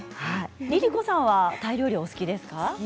ＬｉＬｉＣｏさんはタイ料理はお好きですか？